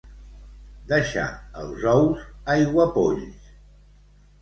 Deixar els ous aiguapolls.